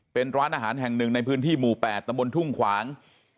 เป็นร้านอาหารแห่งหนึ่งในพื้นที่หมู่๘ตำบลทุ่งขวาง